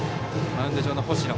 マウンド上の星野。